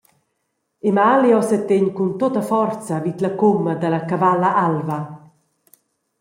Emalio setegn cun tutta forza vid la cuma dalla cavalla alva.